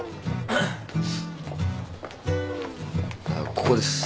ここです。